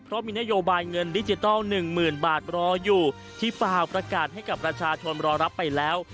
เพราะมีนโยบายเงินดิจิทัล๑๐๐๐บาทรออยู่ที่เปล่าประกาศให้กับประชาชนรอรับไปแล้ว